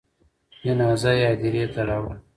جنازه یې هدیرې ته راوړه.